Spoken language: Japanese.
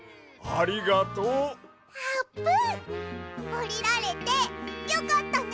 おりられてよかったね！